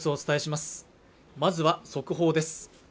まずは速報です